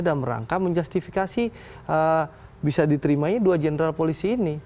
dan merangka menjustifikasi bisa diterimanya dua jenderal polisi ini